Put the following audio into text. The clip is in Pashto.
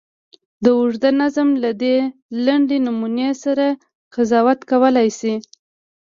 د اوږده نظم له دې لنډې نمونې سړی قضاوت کولای شي.